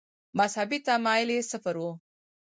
مذهبي تمایل یې صفر و.